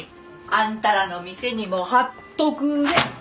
あんたらの店にも貼っとくれ。